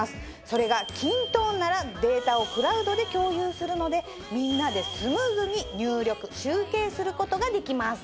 それがキントーンならデータをクラウドで共有するのでみんなでスムーズに入力集計することができます。